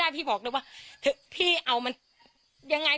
มันต้องเป็นอย่างนั้น